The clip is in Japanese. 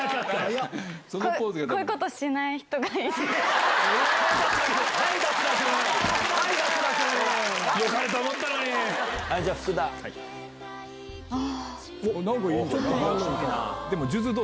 こういうことしない人がいいはい、脱落。